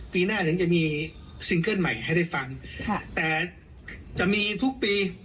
ปีหน้าถึงจะมีซิงเกิ้ลใหม่ให้ได้ฟังค่ะแต่จะมีทุกปี